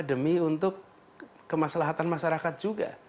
demi untuk kemaslahatan masyarakat juga